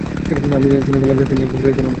আর আমি চিনে ফেললাম যে, তিনি একজন প্রেরিত নবী।